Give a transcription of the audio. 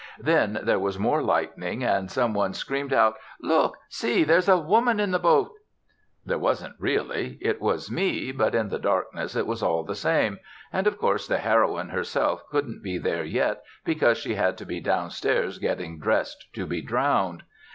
Then there was more lightning, and some one screamed out, "Look! See! there's a woman in the boat!" There wasn't really; it was me; but in the darkness it was all the same, and of course the heroine herself couldn't be there yet because she had to be downstairs getting dressed to be drowned.